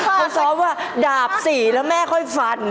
เขาซ้อมว่าดาบ๔แล้วแม่ค่อยฟัน